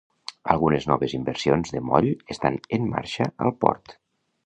Algunes noves inversions de moll estan en marxa al port.